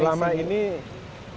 selama ini tidak ada masalah